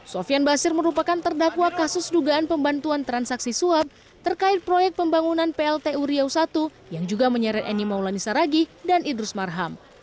sofian basir merupakan terdakwa kasus dugaan pembantuan transaksi suap terkait proyek pembangunan pltu riau i yang juga menyeret eni maulani saragi dan idrus marham